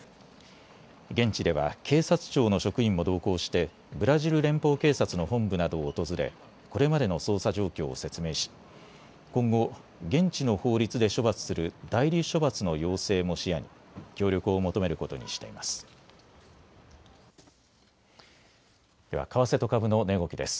現地では警察庁の職員も同行してブラジル連邦警察の本部などを訪れ、これまでの捜査状況を説明し今後、現地の法律で処罰する代理処罰の要請も視野に協力を求めることにしています。